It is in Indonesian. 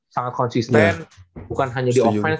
sangat konsisten bukan hanya di offlines